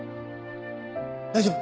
大丈夫？